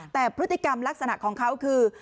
แต่พฤติกรรมลักษณะของเขาคือ